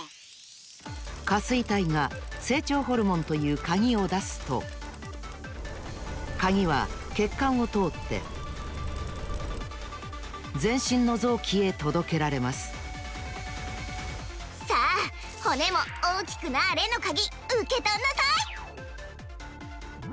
下垂体が成長ホルモンというカギをだすとカギはけっかんをとおってぜんしんのぞうきへとどけられますさあ骨も大きくなれのカギうけとんなさい！